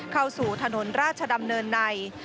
เข้าสู่ถนนราชดำเนินใน